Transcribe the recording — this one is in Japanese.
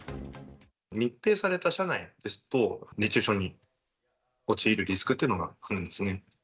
密閉された車内ですと、熱中症に陥るリスクっていうのがありますね。